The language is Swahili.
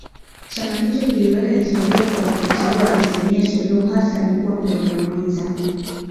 Chama hicho kiliweka historia kwa kumteua Bi Samia Suluhu Hassani kuwa mgombea mwenza